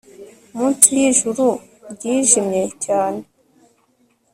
Munsi yijuru ryijimye cyane